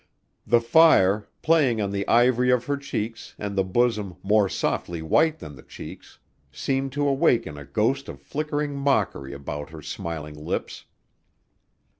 The fire, playing on the ivory of her cheeks and the bosom more softly white than the checks, seemed to awaken a ghost of flickering mockery about her smiling lips.